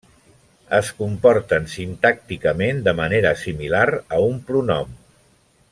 Es comporten sintàcticament de manera similar a un pronom.